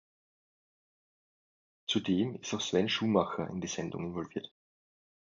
Zudem ist auch Sven Schuhmacher in die Sendung involviert.